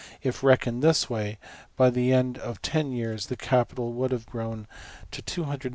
If reckoned this way, by the end of ten years the capital would have grown to \DPtypo{£$265$.